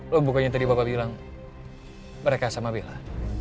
loh bukannya tadi bapak bilang mereka sama bella